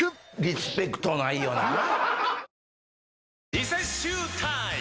リセッシュータイム！